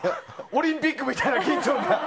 オリンピックみたいな緊張感。